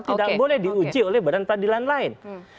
tidak boleh diuji oleh badan peradilan lain